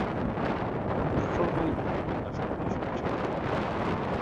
Vrchol mají tupý až tupě špičatý.